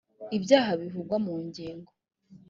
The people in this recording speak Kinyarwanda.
ibyaha bivugwa mu ngingo